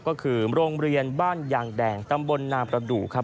ก็คือโรงเรียนบ้านยางแดงตำบลนาประดูกครับ